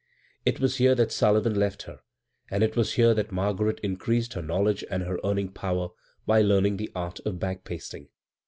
It was here that Sullivan left her, and it was here that Margaret increased her knowledge and her earning power by learning the art of bag pasting.